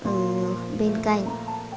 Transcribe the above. ở bên cạnh